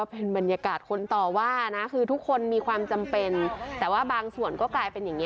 พยายามหน่อยมีใครรักบวกมันไป